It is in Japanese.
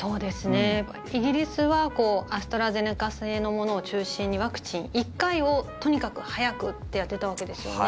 イギリスはアストラゼネカ製のものを中心にワクチン１回をとにかく早くってやってたわけですよね。